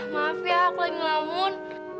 maaf ya aku lagi ngelamun